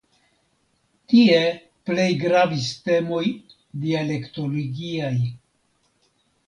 Tie plej gravis temoj dialektologiaj.